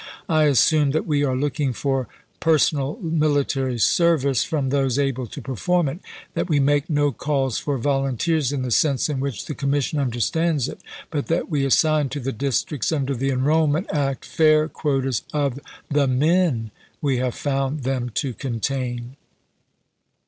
I assume that we are looking for personal military service from those able to Fry, perform it, that we make no calls for volunteers in the " and therk sense in which the commission understands it, but that we sorStion" ass^n to the districts under the enrollment act fair p. 52. ' quotas of the men we have found them to contain.